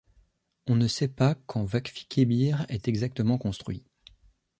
On ne sait pas quand Vakfıkebir est exactement construit.